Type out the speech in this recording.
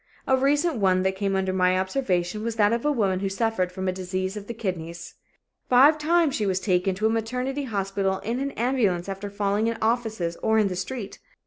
A recent one that came under my observation was that of a woman who suffered from a disease of the kidneys. Five times she was taken to a maternity hospital in an ambulance after falling in offices or in the street.